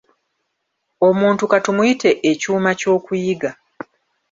Omuntu ka tumuyite ekyuma ky'okuyiga .